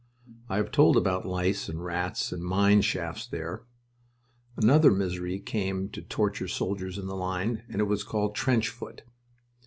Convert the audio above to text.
I have told about lice and rats and mine shafts there. Another misery came to torture soldiers in the line, and it was called "trench foot."